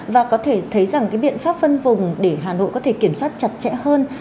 và có thể thấy rằng cái biện pháp phân vùng để hà nội có thể kiểm soát chặt chẽ hơn